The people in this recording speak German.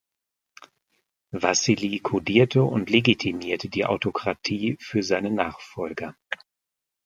Wassili kodierte und legitimierte die Autokratie für seine Nachfolger.